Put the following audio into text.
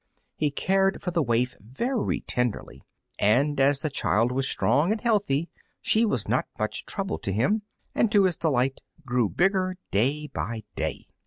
He cared for the waif very tenderly; and as the child was strong and healthy she was not much trouble to him, and to his delight grew bigger day by day.